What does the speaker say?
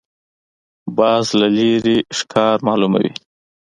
باز له لرې ښکار معلوموي